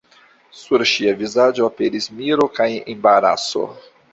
Sur ŝia vizaĝo aperis miro kaj embaraso.